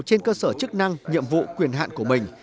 trên cơ sở chức năng nhiệm vụ quyền hạn của mình